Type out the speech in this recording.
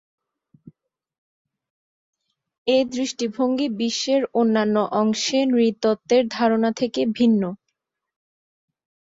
এ দৃষ্টিভঙ্গি বিশ্বের অন্যান্য অংশে নৃতত্ত্বের ধারণা থেকে ভিন্ন।